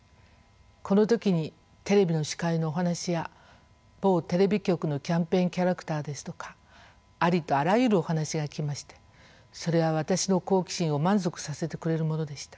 この時にテレビの司会のお話や某テレビ局のキャンペーンキャラクターですとかありとあらゆるお話が来ましてそれは私の好奇心を満足させてくれるものでした。